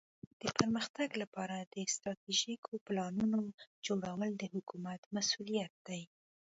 د پرمختګ لپاره د استراتیژیکو پلانونو جوړول د حکومت مسؤولیت دی.